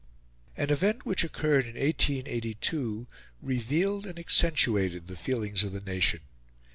An event which occurred in 1882 revealed and accentuated the feelings of the nation.